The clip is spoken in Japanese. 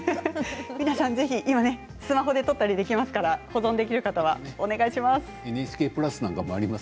今、スマホで撮ったりできますから保存できる方はお願いします。